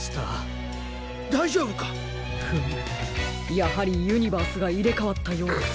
やはりユニバースがいれかわったようです。